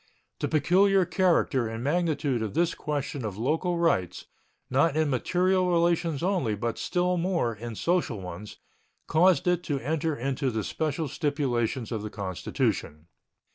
The peculiar character and magnitude of this question of local rights, not in material relations only, but still more in social ones, caused it to enter into the special stipulations of the Constitution.